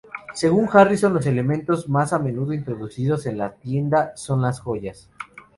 Según Harrison, los elementos más a menudo introducidos en la tienda son las joyas.